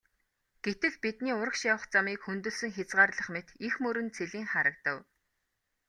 Гэтэл бидний урагш явах замыг хөндөлсөн хязгаарлах мэт их мөрөн цэлийн харагдав.